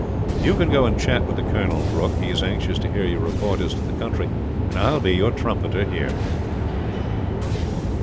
"You can go and chat with the colonel, Brooke. He is anxious to hear your report as to the country, and I will be your trumpeter here."